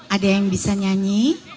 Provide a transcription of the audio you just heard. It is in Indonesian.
ada yang bisa nyanyi